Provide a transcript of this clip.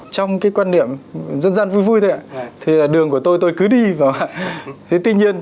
trong cái quan điểm dân dân vui vui thôi ạ thì là đường của tôi tôi cứ đi